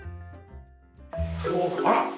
あら！